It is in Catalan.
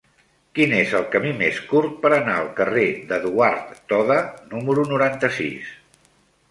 Quin és el camí més curt per anar al carrer d'Eduard Toda número noranta-sis?